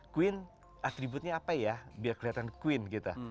queen atributnya apa ya biar kelihatan queen kita